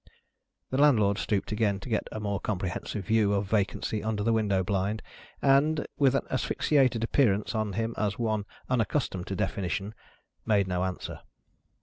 The Landlord stooped again, to get a more comprehensive view of vacancy under the window blind, and with an asphyxiated appearance on him as one unaccustomed to definition made no answer.